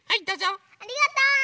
ありがとう！